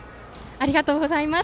ありがとうございます。